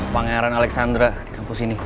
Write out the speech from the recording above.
pangeran alexandra di kampus ini